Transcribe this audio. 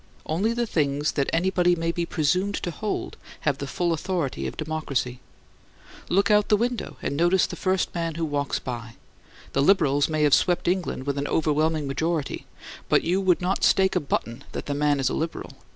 Only the things that anybody may be presumed to hold have the full authority of democracy. Look out of the window and notice the first man who walks by. The Liberals may have swept England with an over whelming majority; but you would not stake a button that the man is a Liberal.